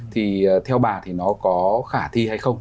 thì theo bà thì nó có khả thi hay không